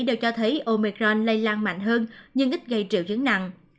đều cho thấy omicron lây lan mạnh hơn nhưng ít gây triệu chứng nặng